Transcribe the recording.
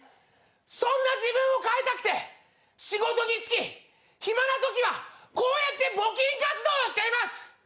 そんな自分を変えたくて仕事に就き暇なときはこうやって募金活動をしています。